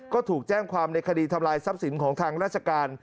ก็ถูกแจ้งความในคดีทำลายทรัพย์สินของทางราชการ